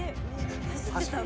走ってたな。